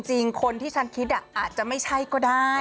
จริงคนที่ฉันคิดอาจจะไม่ใช่ก็ได้